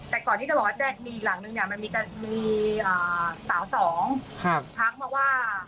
แต่ก่อนที่จะบอกว่าจะมีอีกหลังนึงเนี่ยมันมีสาวสองทักมาว่า